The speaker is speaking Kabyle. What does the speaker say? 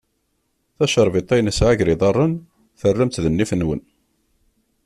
Tacerbiṭ ay nesɛa gar yiḍarren, terram-t d nnif-nwen.